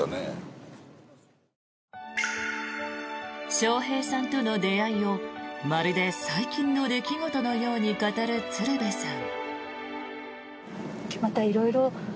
笑瓶さんとの出会いをまるで最近の出来事のように語る鶴瓶さん。